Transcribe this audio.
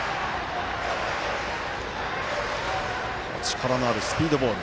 力のあるスピードボール。